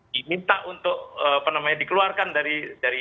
diminta untuk dikeluarkan dari